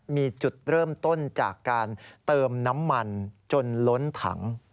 มีจุดเริ่มต้นจากการเติมน้ำมันจนล้นถัง